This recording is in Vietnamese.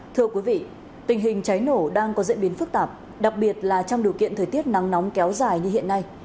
thưa quý vị tình hình cháy nổ đang có diễn biến phức tạp đặc biệt là trong điều kiện thời tiết nắng nóng kéo dài như hiện nay